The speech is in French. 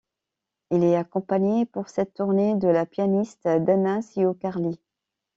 Il est accompagné pour cette tournée de la pianiste Dana Ciocarlie.